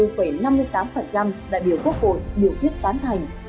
và với chín mươi bốn năm mươi tám đại biểu quốc hội biểu quyết phán thành